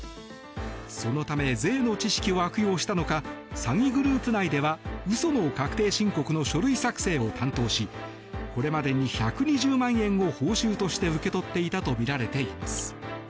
そのため税の知識を悪用したのか詐欺グループ内では嘘の確定申告の書類作成を担当しこれまでに１２０万円を報酬として受け取っていたとみられています。